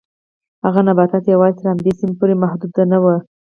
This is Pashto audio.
هغه نباتات یوازې تر همدې سیمې پورې محدود نه و.